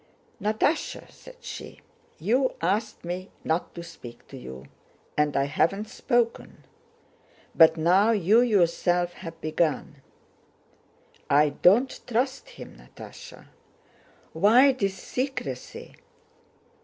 "Natásha," said she, "you asked me not to speak to you, and I haven't spoken, but now you yourself have begun. I don't trust him, Natásha. Why this secrecy?"